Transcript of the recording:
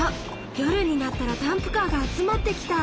夜になったらダンプカーが集まってきた！